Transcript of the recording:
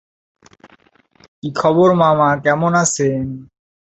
তিনি ও তার স্ত্রী লতিফে উশাকগিলকে একসাথে দেখা যায়।